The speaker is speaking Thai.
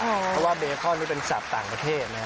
เพราะว่าเบคอนนี่เป็นศัพท์ต่างประเทศนะครับ